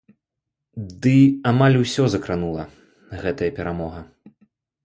Ды амаль усё закранула гэтая перамога.